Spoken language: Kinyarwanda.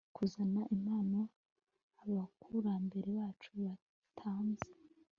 kuzana impano abakurambere bacu batanze